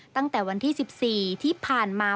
ตั้งแต่วันที่๑๔ที่ผ่านมา